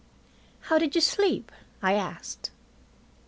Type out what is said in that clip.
"How did you sleep?" I asked.